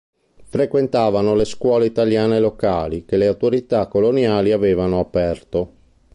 Frequentavano le scuole italiane locali che le autorità coloniali avevano aperto.